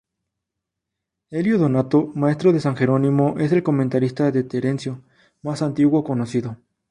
Elio Donato, maestro de San Jerónimo, es el comentarista de Terencio más antiguo conocido.